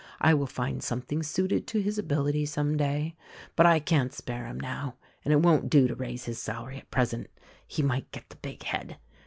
I will find something suited to his ability some day; but I can't spare him now — and it won't do to raise his salary at present; he might get the big head.